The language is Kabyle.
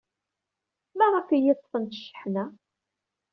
Maɣerf ay iyi-ḍḍfent cceḥna?